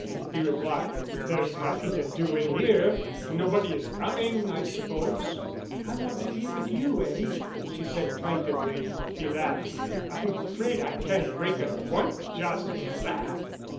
he replied. "There's nothing to do in here. Nobody is coming, I suppose." "I want to be with you, Eddie," she said, plaintively. He laughed. "I'm afraid I can't break an appointment just for that."